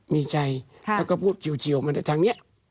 มีใจแล้วก็พูดจิวมาแบบทางนี้